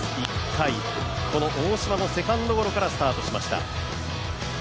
１回、この大島のセカンドゴロからスタートしました。